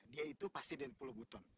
dia itu pasti dari sepuluh buton